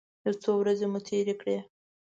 یو څو ورځې مو تېرې کړې.